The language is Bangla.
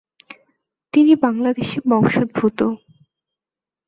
তিনি বাংলাদেশী বংশোদ্ভুত।